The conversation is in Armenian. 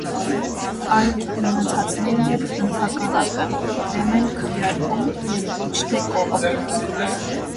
Այդ մնացածներն էլ ընդհակառակը՝ դեմ են քվեարկում և ոչ թե կողմ: